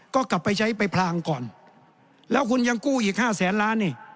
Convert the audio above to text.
ก็กลับไปใช้ไปพลางก่อนแล้วคุณยังกู้อีกห้าแสนล้านนี่